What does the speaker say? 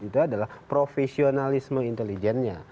itu adalah profesionalisme intelijennya